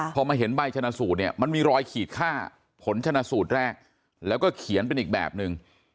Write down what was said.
พอมาเห็นใบชนะสูตรเนี่ยมันมีรอยขีดค่าผลชนะสูตรแรกแล้วก็เขียนเป็นอีกแบบนึง